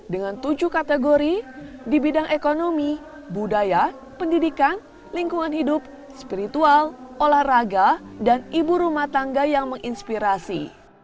dengan tujuh kategori di bidang ekonomi budaya pendidikan lingkungan hidup spiritual olahraga dan ibu rumah tangga yang menginspirasi